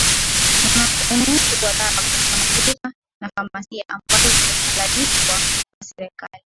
ununuzi wa dawa katika maduka na famasia ambazo zimehalalishwa na serikali